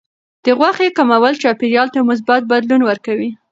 د غوښې کمول چاپیریال ته مثبت بدلون ورکوي.